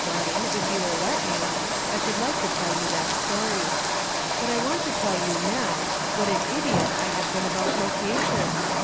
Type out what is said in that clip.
339 Vine, if you will let me, I should like to tell you that story. But I want to tell you now, what an idiot I have been about location.